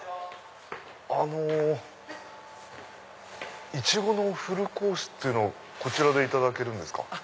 あのいちごのフルコースをこちらでいただけるんですか？